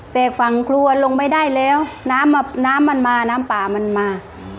แต่ฝั่งครัวลงไม่ได้แล้วน้ำมันมาน้ำป่ามันมา